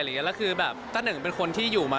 แล้วคือแบบตะหนึ่งเป็นคนที่อยู่มา